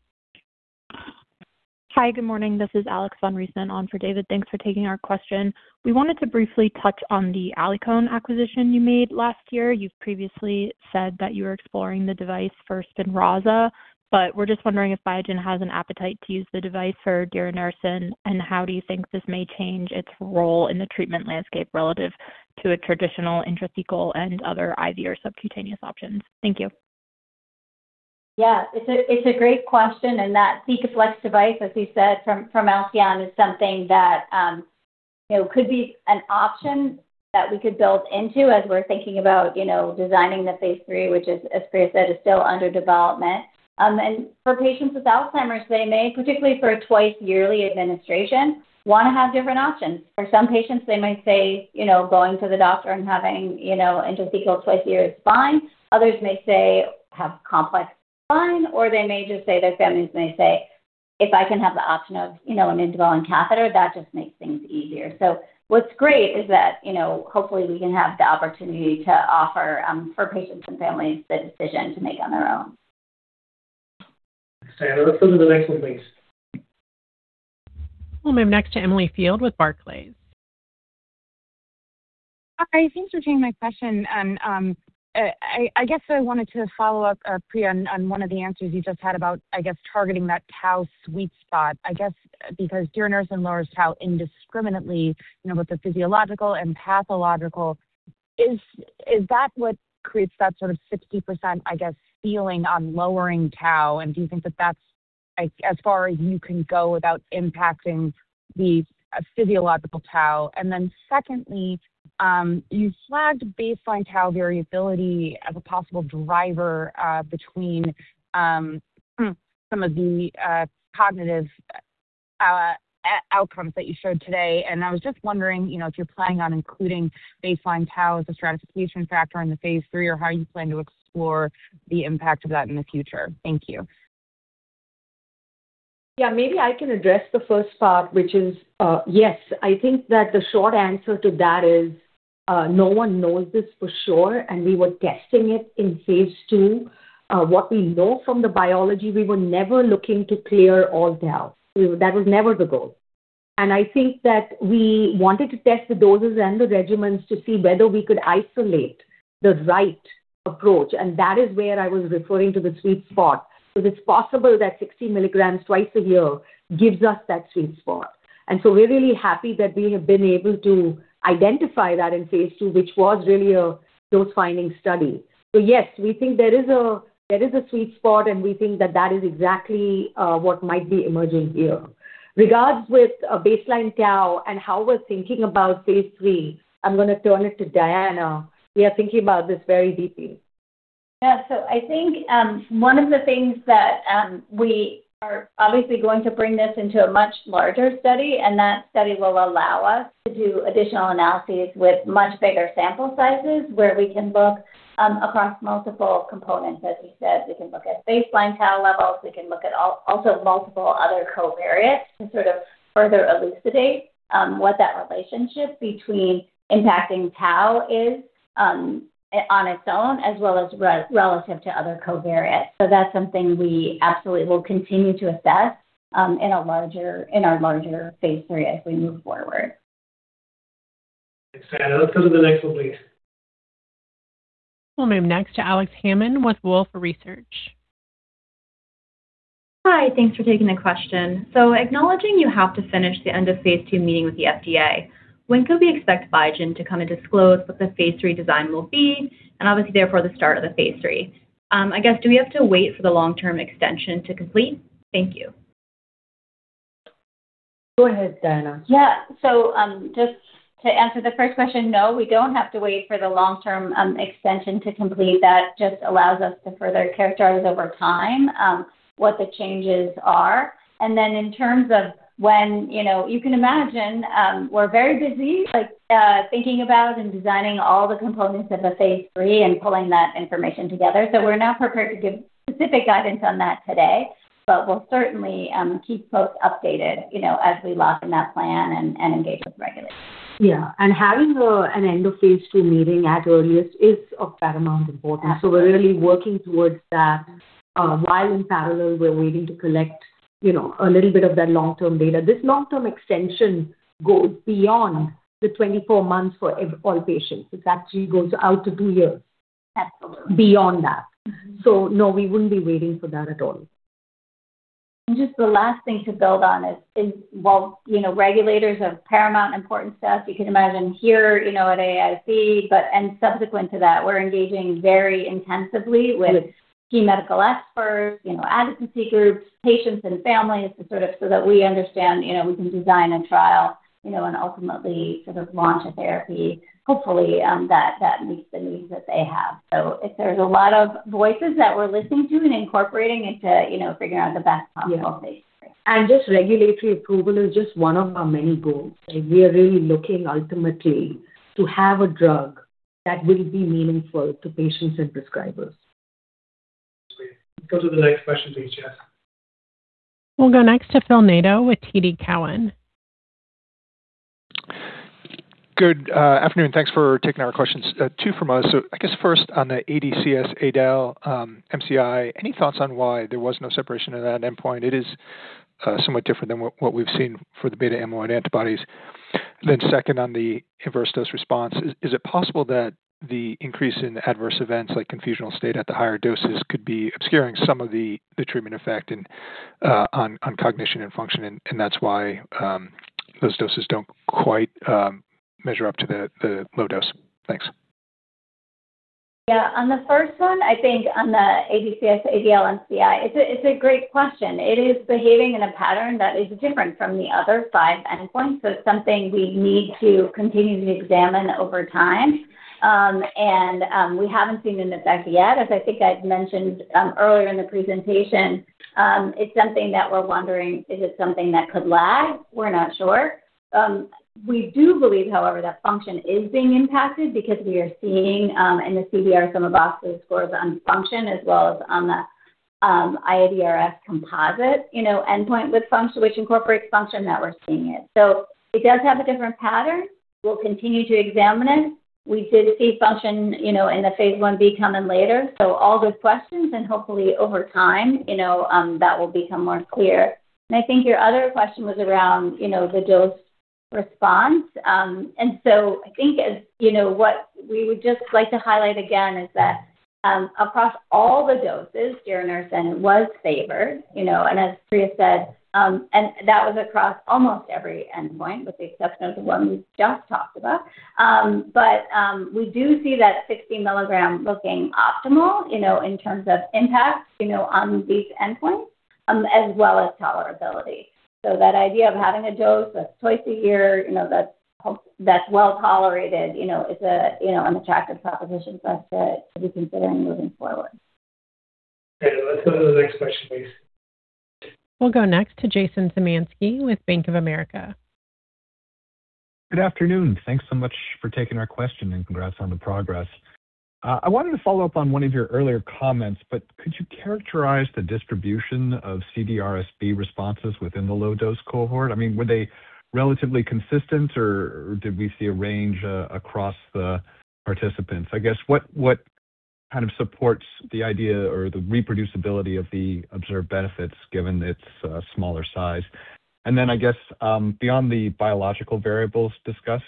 Hi, good morning. This is Alex von Riesemann on for David. Thanks for taking our question. We wanted to briefly touch on the Alcyone acquisition you made last year. You've previously said that you were exploring the device for SPINRAZA. We're just wondering if Biogen has an appetite to use the device for diranersen. How do you think this may change its role in the treatment landscape relative to a traditional intrathecal and other IV or subcutaneous options? Thank you. Yeah. It's a great question. That ThecaFlex device, as we said, from Alcyone is something that could be an option that we could build into as we're thinking about designing the phase III, which as Priya said, is still under development. For patients with Alzheimer's, they may, particularly for a twice-yearly administration, want to have different options. For some patients, they might say, going to the doctor and having intrathecal twice a year is fine. Others may say, have complex fine, or they may just say, their families may say, "If I can have the option of an indwelling catheter, that just makes things easier." What's great is that, hopefully we can have the opportunity to offer for patients and families the decision to make on their own. Thanks, Alex. Let's go to the next one, please. We'll move next to Emily Field with Barclays. Hi. Thanks for taking my question. I wanted to follow up, Priya, on one of the answers you just had about targeting that tau sweet spot. Because diranersen lowers tau indiscriminately, with the physiological and pathological. Is that what creates that sort of 60% feeling on lowering tau? Do you think that that's as far as you can go without impacting the physiological tau? Secondly, you flagged baseline tau variability as a possible driver between some of the cognitive outcomes that you showed today. I was just wondering if you're planning on including baseline tau as a stratification factor in the Phase III, or how you plan to explore the impact of that in the future. Thank you. Yeah, maybe I can address the first part, which is, yes. I think that the short answer to that is, no one knows this for sure, and we were testing it in Phase II. What we know from the biology, we were never looking to clear all tau. That was never the goal. I think that we wanted to test the doses and the regimens to see whether we could isolate the right approach, and that is where I was referring to the sweet spot. It is possible that 60 mg twice a year gives us that sweet spot. We're really happy that we have been able to identify that in Phase II, which was really a dose-finding study. Yes, we think there is a sweet spot, and we think that that is exactly what might be emerging here. Regards with baseline tau and how we're thinking about Phase III, I'm going to turn it to Diana. We are thinking about this very deeply. Yeah. I think one of the things that we are obviously going to bring this into a much larger study, and that study will allow us to do additional analyses with much bigger sample sizes where we can look across multiple components. As we said, we can look at baseline tau levels, we can look at also multiple other covariates to sort of further elucidate what that relationship between impacting tau is on its own, as well as relative to other covariates. That's something we absolutely will continue to assess in our larger Phase III as we move forward. Thanks, Diana. Let's go to the next one, please. We'll move next to Alex Hammond with Wolfe Research. Hi. Thanks for taking the question. Acknowledging you have to finish the end of phase II meeting with the FDA, when could we expect Biogen to come and disclose what the phase III design will be, and obviously therefore the start of the phase III? I guess, do we have to wait for the long-term extension to complete? Thank you. Go ahead, Diana. Yeah. Just to answer the first question, no, we don't have to wait for the long-term extension to complete. That just allows us to further characterize over time what the changes are. In terms of when, you can imagine, we're very busy thinking about and designing all the components of a phase III and pulling that information together. We're not prepared to give specific guidance on that today, but we'll certainly keep folks updated as we lock in that plan and engage with regulators. Yeah. Having an end of phase II meeting at earliest is of paramount importance. Absolutely. We're really working towards that, while in parallel, we're waiting to collect a little bit of that long-term data. This long-term extension goes beyond the 24 months for all patients. It actually goes out to two years. Absolutely beyond that. No, we wouldn't be waiting for that at all. The last thing to build on is while regulators are of paramount importance to us, you can imagine here at AAIC and subsequent to that, we're engaging very intensively with key medical experts, advocacy groups, patients and families that we understand we can design a trial and ultimately sort of launch a therapy, hopefully, that meets the needs that they have. There's a lot of voices that we're listening to and incorporating into figuring out the best possible phase III. Just regulatory approval is just one of our many goals. We are really looking ultimately to have a drug that will be meaningful to patients and prescribers. Great. Go to the next question please, Jess. We'll go next to Phil Nadeau with TD Cowen. Good afternoon. Thanks for taking our questions. Two from us. I guess first on the ADCS-ADL-MCI, any thoughts on why there was no separation in that endpoint? It is somewhat different than what we've seen for the beta amyloid antibodies. Second on the adverse dose response, is it possible that the increase in adverse events like confusional state at the higher doses could be obscuring some of the treatment effect on cognition and function, and that's why those doses don't quite measure up to the low dose? Thanks. Yeah. On the first one, I think on the ADCS-ADL-MCI, it's a great question. It is behaving in a pattern that is different from the other five endpoints. It's something we need to continue to examine over time. We haven't seen an effect yet. As I think I'd mentioned earlier in the presentation, it's something that we're wondering, is it something that could lag? We're not sure. We do believe, however, that function is being impacted because we are seeing in the CDR Sum of Boxes scores on function as well as on the iADRS composite endpoint with function, which incorporates function that we're seeing it. It does have a different pattern. We'll continue to examine it. We did see function in the phase I-B come in later. All good questions and hopefully over time that will become more clear. I think your other question was around the dose response. I think what we would just like to highlight again is that across all the doses, diranersen was favored. As Priya said, and that was across almost every endpoint with the exception of the one we just talked about. We do see that 60 mg looking optimal in terms of impact on these endpoints as well as tolerability. That idea of having a dose that's twice a year that's well-tolerated is an attractive proposition for us to be considering moving forward. Okay. Let's go to the next question, please. We'll go next to Jason Zemansky with Bank of America. Good afternoon. Thanks so much for taking our question, and congrats on the progress. I wanted to follow up on one of your earlier comments, but could you characterize the distribution of CDR-SB responses within the low-dose cohort? Were they relatively consistent or did we see a range across the participants? I guess what kind of supports the idea or the reproducibility of the observed benefits given its smaller size? Beyond the biological variables discussed,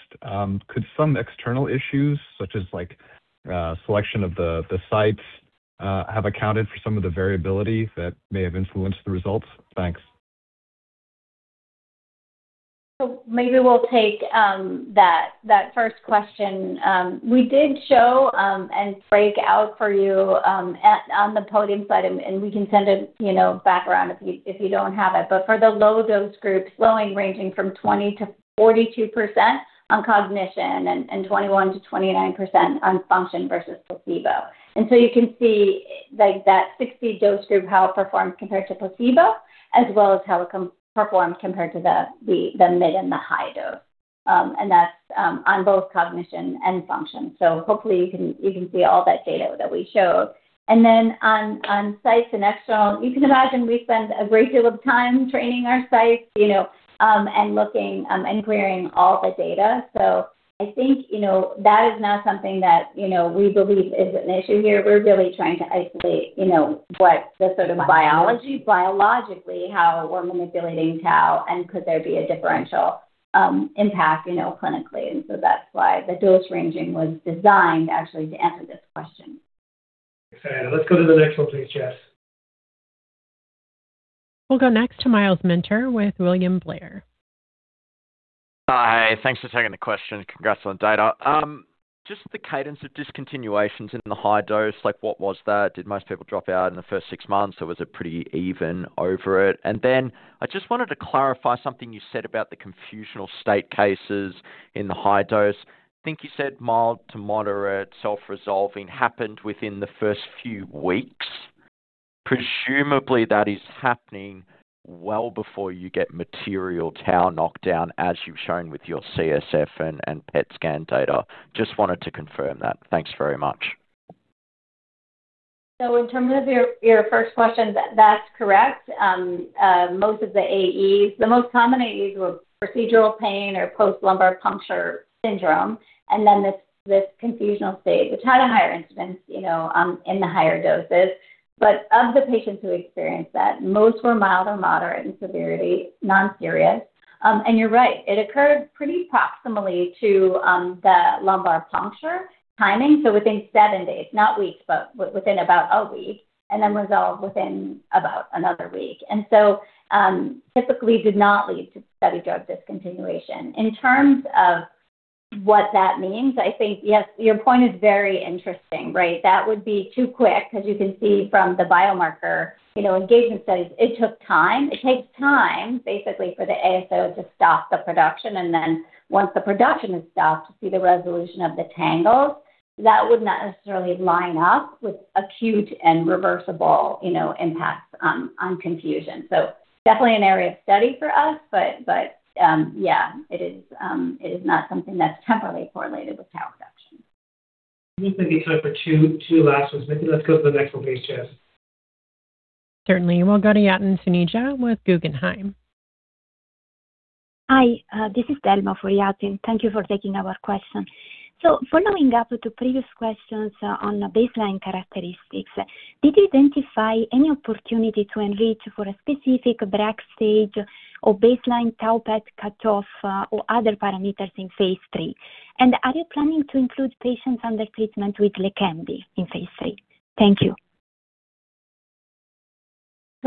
could some external issues such as selection of the sites have accounted for some of the variability that may have influenced the results? Thanks. Maybe we'll take that first question. We did show and break out for you on the podium slide, and we can send it back around if you don't have it. For the low-dose groups, ranging from 20%-42% on cognition and 21%-29% on function versus placebo. You can see that 60 dose group, how it performs compared to placebo, as well as how it performs compared to the mid-dose and the high-dose. That's on both cognition and function. Hopefully, you can see all that data that we showed. On sites and external, you can imagine we spend a great deal of time training our sites, and looking and clearing all the data. I think that is not something that we believe is an issue here. We're really trying to isolate what the sort of biology, biologically, how we're manipulating tau, and could there be a differential impact clinically. That's why the dose-ranging was designed actually to answer this question. Excellent. Let's go to the next one please, Jess. We'll go next to Myles Minter with William Blair. Hi. Thanks for taking the question. Congrats on the data. Just the cadence of discontinuations in the high dose, what was that? Did most people drop out in the first six months, or was it pretty even over it? I just wanted to clarify something you said about the confusional state cases in the high dose. I think you said mild to moderate, self-resolving, happened within the first few weeks. Presumably, that is happening well before you get material tau knockdown, as you've shown with your CSF and PET scan data. Just wanted to confirm that. Thanks very much. In terms of your first question, that's correct. Most of the AEs. The most common AEs were procedural pain or post-lumbar puncture syndrome, and then this confusional state, which had a higher incidence in the higher doses. Of the patients who experienced that, most were mild or moderate in severity, non-serious. You're right, it occurred pretty proximally to the lumbar puncture timing. Within seven days. Not weeks, but within about a week, and then resolved within about another week. Typically did not lead to study drug discontinuation. In terms of what that means, I think, yes, your point is very interesting, right? That would be too quick, because you can see from the biomarker engagement studies, it took time. It takes time, basically, for the ASO to stop the production, and then once the production has stopped, to see the resolution of the tangles. That would not necessarily line up with acute and reversible impacts on confusion. Definitely an area of study for us, but yeah, it is not something that's temporally correlated with tau reduction. I think it's time for two last ones. Maybe let's go to the next one, please, Jess. Certainly. We'll go to Yatin Suneja with Guggenheim. Hi. This is Delma for Yatin. Thank you for taking our question. Following up to previous questions on the baseline characteristics, did you identify any opportunity to enrich for a specific Braak stage or baseline tau PET cutoff or other parameters in phase III? Are you planning to include patients under treatment with LEQEMBI in phase III? Thank you.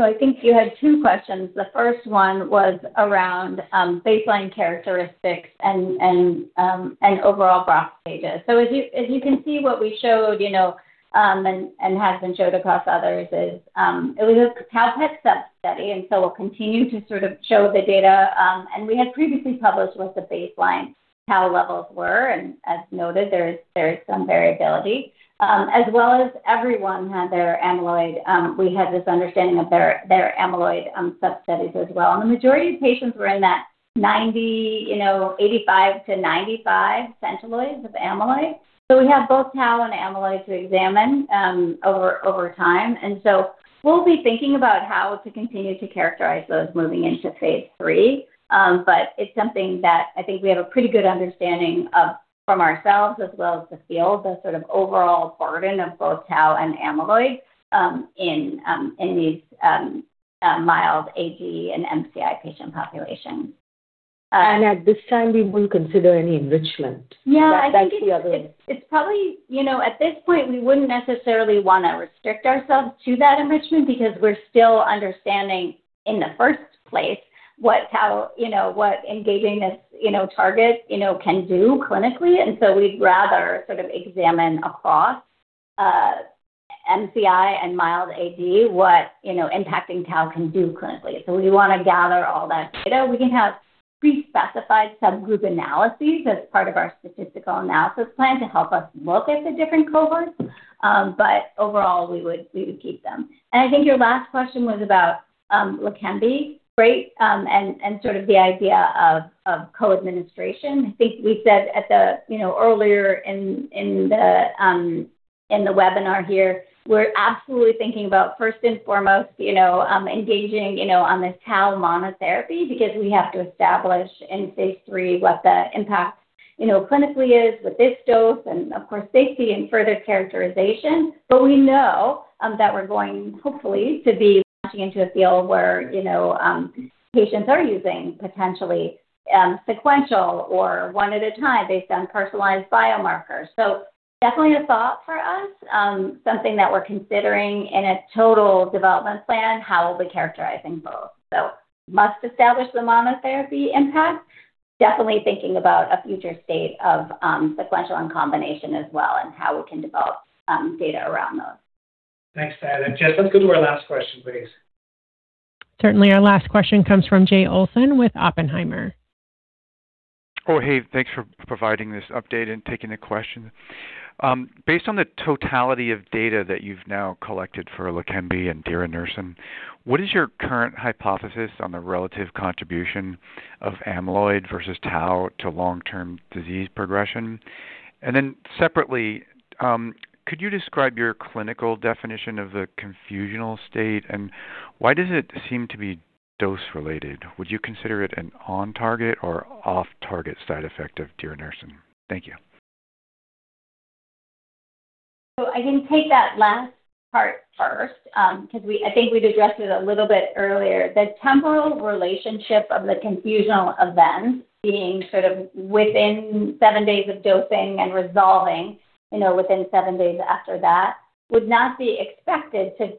I think you had two questions. The first one was around baseline characteristics and overall Braak stages. As you can see, what we showed, and has been showed across others, is it was a tau PET sub study, we'll continue to sort of show the data. We had previously published what the baseline tau levels were. As noted, there is some variability. As well as everyone had their amyloid. We had this understanding of their amyloid sub studies as well. The majority of patients were in that 85-95 Centiloids of amyloid. We have both tau and amyloid to examine over time. We'll be thinking about how to continue to characterize those moving into Phase III. It's something that I think we have a pretty good understanding of from ourselves, as well as the field, the sort of overall burden of both tau and amyloid in these mild AD and MCI patient populations. At this time, we won't consider any enrichment. Yeah. That's the other. I think it's probably, at this point, we wouldn't necessarily want to restrict ourselves to that enrichment because we're still understanding in the first place what engaging this target can do clinically. We'd rather sort of examine across MCI and mild AD, what impacting tau can do clinically. We want to gather all that data. We can have pre-specified subgroup analyses as part of our statistical analysis plan to help us look at the different cohorts. Overall, we would keep them. I think your last question was about LEQEMBI, right? Sort of the idea of co-administration. I think we said earlier in the webinar here, we're absolutely thinking about first and foremost, engaging on this tau monotherapy because we have to establish in phase III what the impact clinically is with this dose and, of course, safety and further characterization. We know that we're going, hopefully, to be launching into a field where patients are using potentially sequential or one at a time based on personalized biomarkers. Definitely a thought for us. Something that we're considering in a total development plan, how we'll be characterizing both. Must establish the monotherapy impact. Definitely thinking about a future state of sequential and combination as well and how we can develop data around those. Thanks, Diana. Jess, let's go to our last question, please. Certainly. Our last question comes from Jay Olson with Oppenheimer. Oh, hey. Thanks for providing this update and taking the questions. Based on the totality of data that you've now collected for LEQEMBI and diranersen, what is your current hypothesis on the relative contribution of amyloid versus tau to long-term disease progression? Separately, could you describe your clinical definition of the confusional state, and why does it seem to be dose-related? Would you consider it an on-target or off-target side effect of diranersen? Thank you. I can take that last part first, because I think we'd addressed it a little bit earlier. The temporal relationship of the confusional events being sort of within seven days of dosing and resolving within seven days after that would not be expected to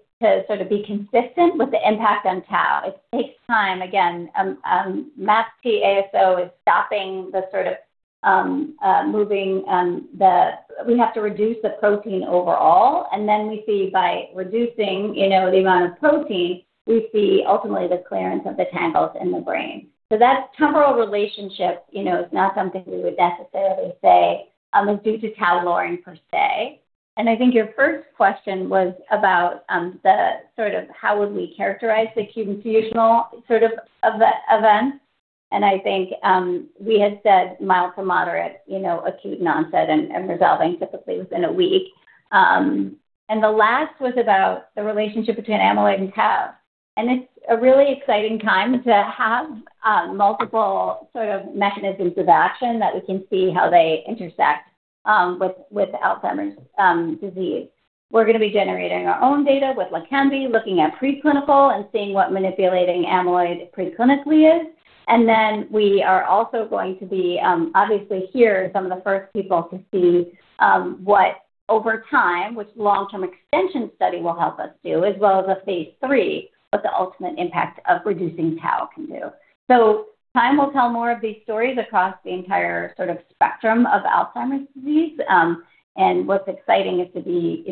sort of be consistent with the impact on tau. It takes time. Again, MAPT ASO is stopping the sort of We have to reduce the protein overall, and then we see by reducing the amount of protein, we see ultimately the clearance of the tangles in the brain. That temporal relationship is not something we would necessarily say is due to tau lowering per se. I think your first question was about the sort of how would we characterize the acute confusional sort of event. I think we had said mild to moderate, acute onset and resolving typically within a week. The last was about the relationship between amyloid and tau. It's a really exciting time to have multiple sort of mechanisms of action that we can see how they intersect with Alzheimer's disease. We're going to be generating our own data with LEQEMBI, looking at preclinical and seeing what manipulating amyloid preclinically is. Then we are also going to be, obviously here, some of the first people to see what over time, which long-term extension study will help us do, as well as a phase III, what the ultimate impact of reducing tau can do. Time will tell more of these stories across the entire sort of spectrum of Alzheimer's disease. What's exciting is to be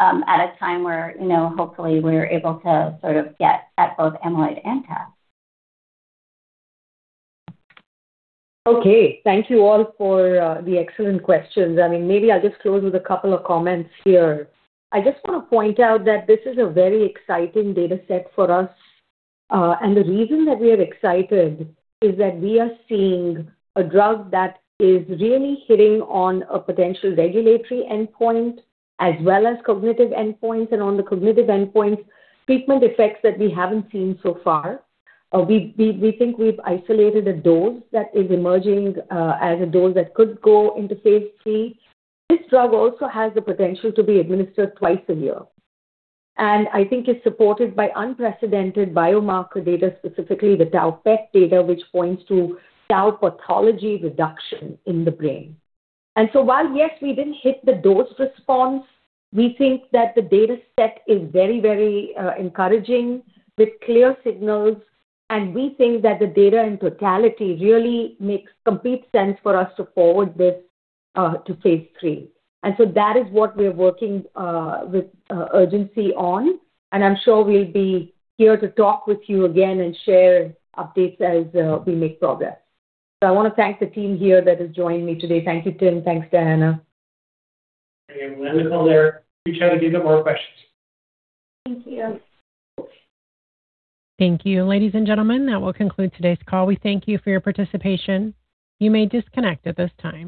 at a time where hopefully we're able to sort of get at both amyloid and tau. Okay. Thank you all for the excellent questions. I mean, maybe I'll just close with a couple of comments here. I just want to point out that this is a very exciting data set for us. The reason that we are excited is that we are seeing a drug that is really hitting on a potential regulatory endpoint as well as cognitive endpoints, and on the cognitive endpoints, treatment effects that we haven't seen so far. We think we've isolated a dose that is emerging as a dose that could go into phase III. This drug also has the potential to be administered twice a year. I think it's supported by unprecedented biomarker data, specifically the tau PET data, which points to tau pathology reduction in the brain. While, yes, we didn't hit the dose response, we think that the data set is very encouraging with clear signals. We think that the data in totality really makes complete sense for us to forward this to phase III. That is what we're working with urgency on. I'm sure we'll be here to talk with you again and share updates as we make progress. I want to thank the team here that has joined me today. Thank you, Tim. Thanks, Diana. We'll end the call there. Reach out if you've got more questions. Thank you. Thank you. Ladies and gentlemen, that will conclude today's call. We thank you for your participation. You may disconnect at this time.